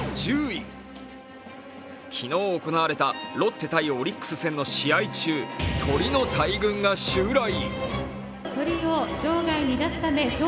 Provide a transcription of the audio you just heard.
昨日行われたロッテ×オリックスの試合中鳥の大群が襲来。